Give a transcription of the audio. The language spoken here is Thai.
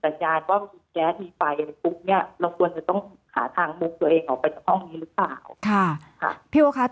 เราก็ควรจะต้องหาทางมุกตัวเองออกไปจากห้องนี้หรือเปล่า